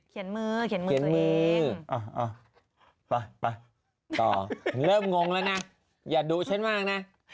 เขียนมือมือตัวเอง